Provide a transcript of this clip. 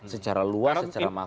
secara luas secara makro